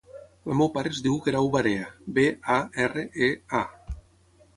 El meu pare es diu Guerau Barea: be, a, erra, e, a.